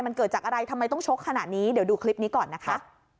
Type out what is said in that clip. มันเกิดจากอะไรทำไมต้องชกขนาดนี้เดี๋ยวดูคลิปนี้ก่อนนะคะ